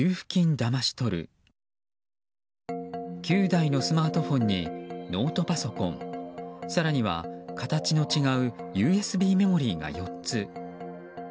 ９台のスマートフォンにノートパソコン更には形の違うＵＳＢメモリーが４つ。